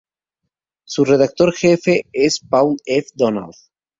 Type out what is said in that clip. Su redactor jefe es Paul F. Donald.